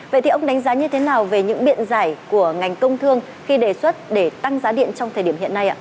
vậy thì ông đánh giá như thế nào về những biện giải của ngành công thương khi đề xuất để tăng giá điện trong thời điểm hiện nay ạ